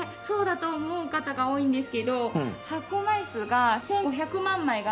そうだと思う方が多いんですけど発行枚数が１５００万枚。